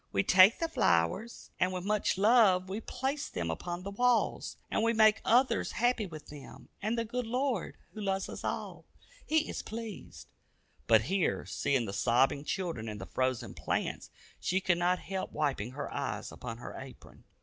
We take the flowers, and with much love we place them upon the walls, and we make others happy with them, and the good Lord, who loves us all, He is pleased," but here, seeing the sobbing children and the frozen plants, she could not help wiping her eyes upon her apron.